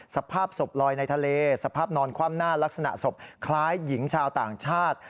สภาพศพลอยในทะเลสภาพนอนคว่ำหน้าลักษณะศพคล้ายหญิงชาวต่างชาติ